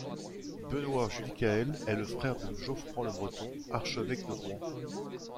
Benoit-Judicaël est le frère de Geoffroi le Breton, archevêque de Rouen.